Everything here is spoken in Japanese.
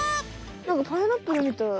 なんかパイナップルみたい。